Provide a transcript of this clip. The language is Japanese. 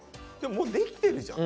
もうできてるじゃん！